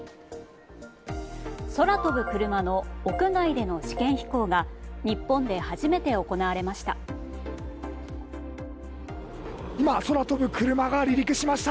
空飛ぶクルマの屋外での試験飛行が日本で初めて行われました。